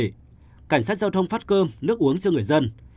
trước đó cảnh sát giao thông phát cơm nước uống cho người dân